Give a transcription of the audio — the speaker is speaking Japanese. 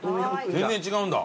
全然違うんだ。